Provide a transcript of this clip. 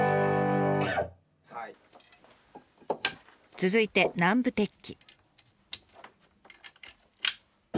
続いて南部鉄器。